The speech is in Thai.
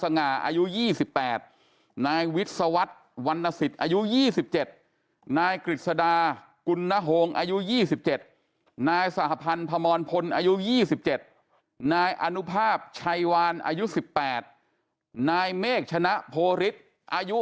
นายอนุภาพชัยวานอายุ๑๘นายเมฆชนะโภฤษอายุ๒๔